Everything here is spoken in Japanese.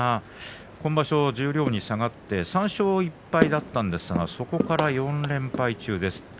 今場所十両に下がって３勝１敗だったんですがそこから４連敗中です。